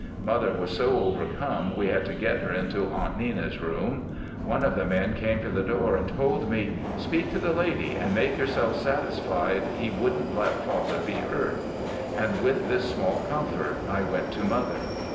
Mother was so overcome we had to get her into Aunt Nenna's room. One of the men came to the door and told me: "Speak to the lady and make yourselves satisfied he wouldn't let Father be hurt"; with this small comfort I went to Mother.